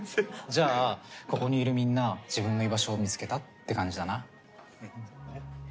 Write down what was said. じゃあここにいるみんな自分の居場所を見つけたって感じだなうん。